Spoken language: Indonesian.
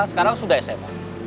sekarang sudah sma